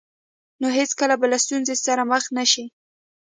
نو هېڅکله به له ستونزو سره مخ نه شئ.